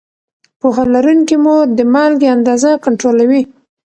پوهه لرونکې مور د مالګې اندازه کنټرولوي.